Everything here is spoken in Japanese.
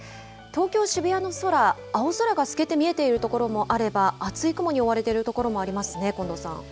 東京・渋谷の空、青空が透けて見えている所もあれば、厚い雲に覆われている所もありますね、近藤さん。